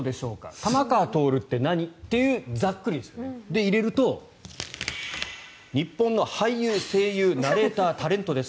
玉川徹って何？っていうざっくりとしたものを入れると日本の俳優、声優、ナレータータレントです。